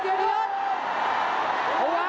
โอ้โอ้